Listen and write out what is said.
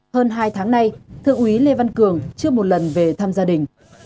hơn hai tháng nay thượng úy lê văn cường chưa một lần về thăm dịch